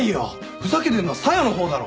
ふざけてるのは小夜の方だろ。